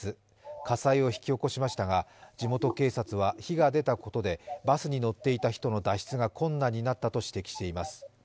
火災を引き起こしましたが地元警察は火が出たことでバスに乗っていた人の脱出が困難になったと指摘しています。